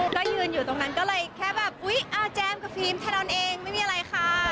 ก็ยืนอยู่ตรงนั้นก็เลยแค่แบบอุ๊ยแจมกับฟิล์มไทยดอนเองไม่มีอะไรค่ะ